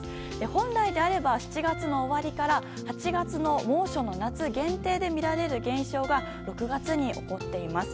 本来であれば７月の終わりから８月の猛暑の夏限定で見られる現象が６月に起こっています。